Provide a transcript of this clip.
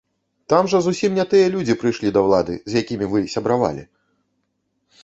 Там жа зусім не тыя людзі прыйшлі да ўлады, з якімі вы сябравалі!